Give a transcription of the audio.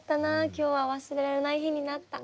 今日は忘れられない日になった。